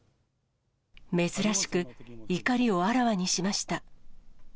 珍しく、怒りをあらわにしました。